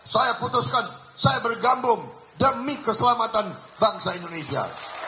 saya putuskan saya bergabung demi keselamatan bangsa indonesia